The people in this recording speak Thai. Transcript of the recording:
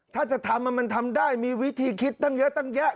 ถ้าจะทำมันทำได้มีวิธีคิดตั้งเยอะตั้งแยะ